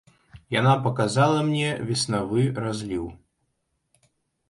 Яна паказала мне веснавы разліў.